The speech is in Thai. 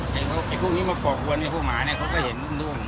เขาบอกอย่างไม่มีตังค์ซื้อของหมาอยู่ที่ดู